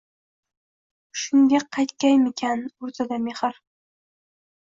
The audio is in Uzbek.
Shunda qaytgaymikan, o’rtaga mehr?